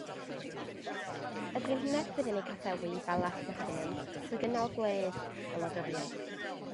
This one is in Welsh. Y Frenhines fydd yn ei groesawu i Balas Buckingham trwy gynnal gwledd y wladwriaeth.